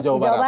di jawa barat